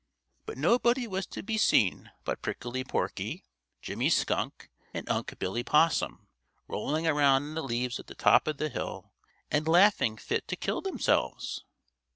But nobody was to be seen but Prickly Porky, Jimmy Skunk, and Unc' Billy Possum rolling around in the leaves at the top of the hill and laughing fit to kill themselves.